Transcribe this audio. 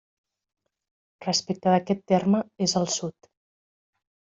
Respecte d'aquest terme és al sud.